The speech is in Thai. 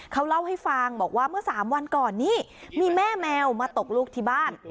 เขาเล่าให้ฟังบอกว่าเมื่อ๓วันก่อนนี้มีแม่แมวมาตกลูกที่บ้าน